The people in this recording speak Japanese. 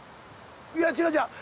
いや違う違う。